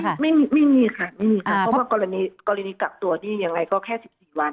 ไม่มีค่ะเพราะว่ากรณีกักตัวยังไงก็แค่๑๔วัน